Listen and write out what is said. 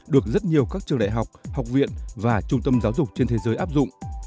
được rất nhiều các trường đại học học viện và trung tâm giáo dục trên thế giới áp dụng